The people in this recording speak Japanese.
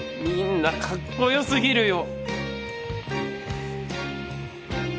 みんなかっこよすぎるよ。